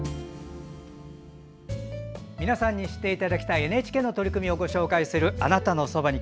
皆さんに知っていただきたいＮＨＫの取り組みをご紹介する「あなたのそばに」。